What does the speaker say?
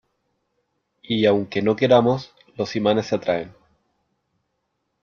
y aunque no queramos , los imanes se atraen .